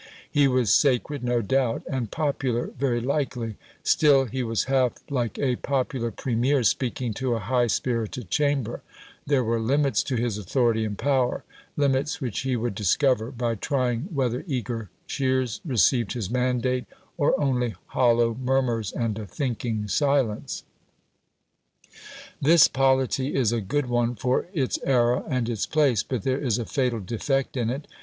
He was sacred, no doubt; and popular, very likely; still he was half like a popular Premier speaking to a high spirited chamber; there were limits to his authority and power limits which he would discover by trying whether eager cheers received his mandate, or only hollow murmurs and a thinking silence. This polity is a good one for its era and its place, but there is a fatal defect in it.